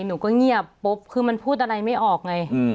หนูก็เงียบปุ๊บคือมันพูดอะไรไม่ออกไง